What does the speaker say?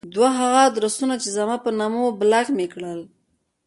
دوه هغه ادرسونه چې زما په نامه وو بلاک مې کړل.